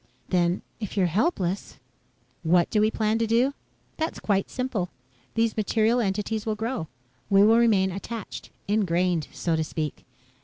"Then, if you're helpless ..." "What do we plan to do? That's quite simple. These material entities will grow. We will remain attached ingrained, so to speak.